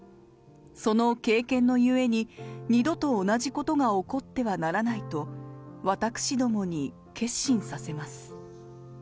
その経験のゆえに、二度と同じことが起こってはならないと、私どもに決心させます。